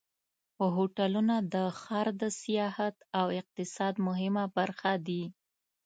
هوټلونه د ښار د سیاحت او اقتصاد مهمه برخه دي.